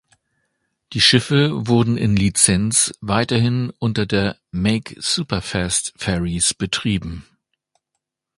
Die Schiffe wurden in Lizenz weiterhin unter der Make Superfast Ferries betrieben.